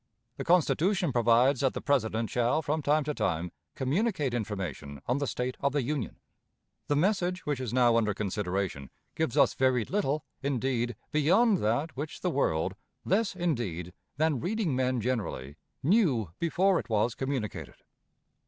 The Constitution provides that the President shall, from time to time, communicate information on the state of the Union. The message which is now under consideration gives us very little, indeed, beyond that which the world less, indeed, than reading men generally knew before it was communicated.